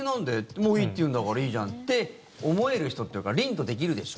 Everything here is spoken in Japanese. もういいって言うんだからいいじゃんって思える人というかうん。